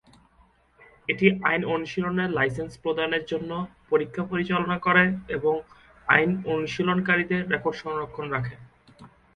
এটি আইন অনুশীলনের লাইসেন্স প্রদানের জন্য পরীক্ষা পরিচালনা করে এবং আইন অনুশীলনকারীদের রেকর্ড সংরক্ষণ রাখে।